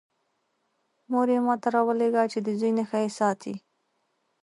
مور یې ما ته راولېږه چې د زوی نښه یې ساتی.